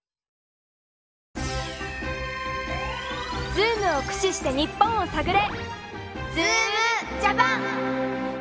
ズームをくしして日本をさぐれ！